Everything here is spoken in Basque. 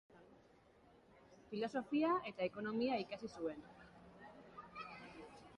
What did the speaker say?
Filosofia eta ekonomia ikasi zuen.